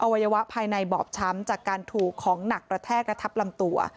วัยวะภายในบอบช้ำจากการถูกของหนักกระแทกและทับลำตัว